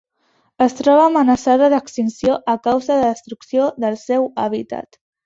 Es troba amenaçada d'extinció a causa de la destrucció del seu hàbitat.